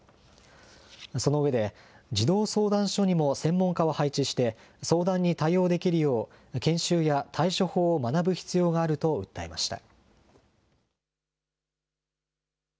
その上で、児童相談所にも専門家を配置して、相談に対応できるよう、研修や対処法を学ぶ必要があると訴えました。